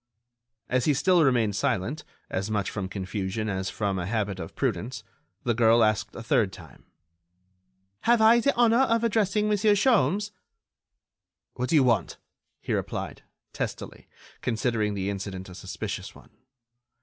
As he still remained silent, as much from confusion as from a habit of prudence, the girl asked a third time: "Have I the honor of addressing Monsieur Sholmes?" "What do you want?" he replied, testily, considering the incident a suspicious one.